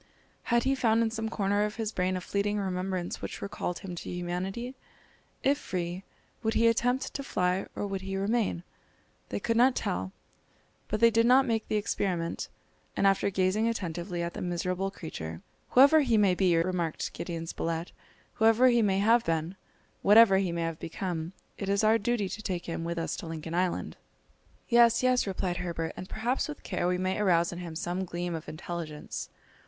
Had he found in some corner of his brain a fleeting remembrance which recalled him to humanity? If free, would he attempt to fly, or would he remain? They could not tell, but they did not make the experiment; and after gazing attentively at the miserable creature, "Whoever he may be," remarked Gideon Spilett; "whoever he may have been, and whatever he may become, it is our duty to take him with us to Lincoln Island." "Yes, yes!" replied Herbert; "and perhaps with care we may arouse in him some gleam of intelligence."